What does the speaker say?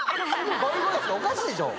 ゴイゴイスーおかしいでしょ。